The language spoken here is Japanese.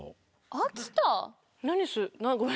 秋田？